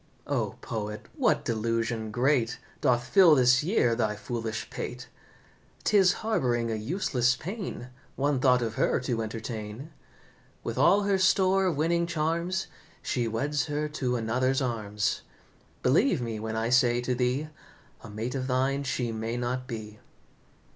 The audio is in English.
"O, poet, what delusion great Doth fill this year thy foolish pate? 'Tis harbouring a useless pain One thought of her to entertain. With all her store of winning charms, She weds her to another's arms. Believe me, when I say to thee A mate of thine she may not be."